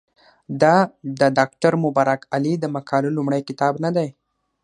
دا د ډاکټر مبارک علي د مقالو لومړی کتاب نه دی.